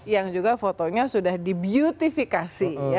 yang juga fotonya sudah dibiutifikasi ya